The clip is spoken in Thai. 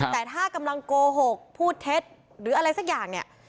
แต่ถ้ากำลังโกหกพูดเท็จหรืออะไรสักอย่างเนี่ย